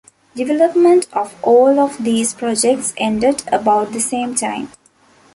Development of all of these projects ended about the same time.